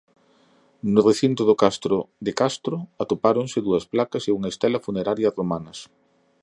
No recinto do castro de Castro atopáronse dúas placas e unha estela funerarias romanas.